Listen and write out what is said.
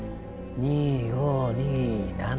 ２５２７